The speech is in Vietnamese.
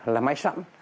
là máy sẵn